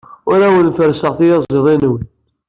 Ur awen-ferrseɣ tiyaziḍin-nwen.